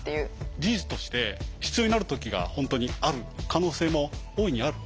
事実として必要になる時が本当にある可能性も大いにある。